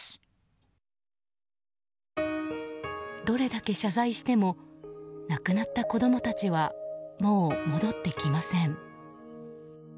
どれだけ謝罪しても亡くなった子供たちはもう戻ってきません。